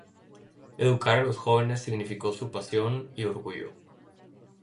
Educar a los jóvenes significó su pasión, y orgullo.